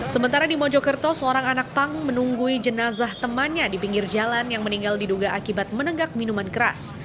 sementara di mojokerto seorang anak pang menunggui jenazah temannya di pinggir jalan yang meninggal diduga akibat menenggak minuman keras